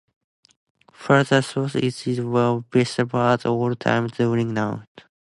Further south, it is well visible at all times during night.